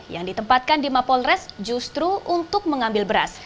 yang ditempatkan di mapolres justru untuk mengambil beras